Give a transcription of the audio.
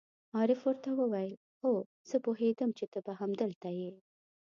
عارف ور ته وویل: هو، زه پوهېدم چې ته به همدلته یې.